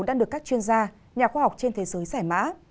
đang được các chuyên gia nhà khoa học trên thế giới giải mã